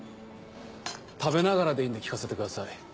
食べながらでいいんで聞かせてください。